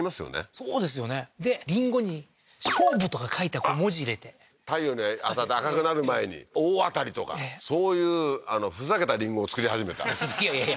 そうですよねでりんごに勝負とか書いた文字入れて太陽に当たって赤くなる前に大当たりとかそういうふざけたりんごを作り始めたいやいやいや